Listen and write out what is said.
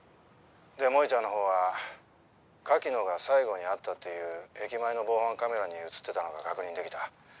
で萌ちゃんのほうは柿野が最後に会駅前の防犯カメラに映ってたのが確認できた。